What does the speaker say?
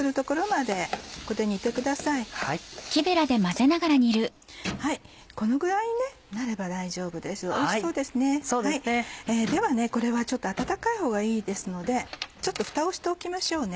ではこれはちょっと温かいほうがいいですのでふたをしておきましょうね。